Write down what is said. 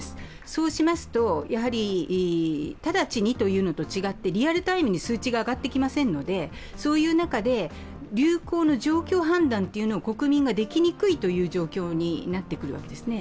そうしますと、直ちにというのと違ってリアルタイムに数値が上がってきませんので、流行の状況判断を国民ができにくい状況になってくるわけですね。